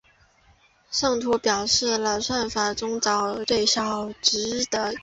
上图表示了算法中找最小值的一个步骤。